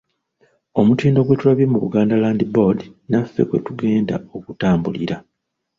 Omutindo gwe tulabye mu Buganda Land Board naffe kwe tugenda okutambulira.